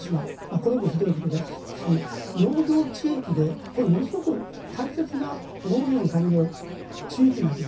これもひどいことですし農業地域でこれ、ものすごく大切な農業のための地域なんです。